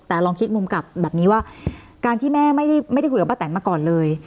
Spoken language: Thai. แต่ลองคิดมุมกลับแบบนี้ว่าการที่แม่ไม่ได้คุยกับป้าแตนมาก่อนเลย